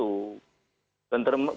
untuk golongan tertentu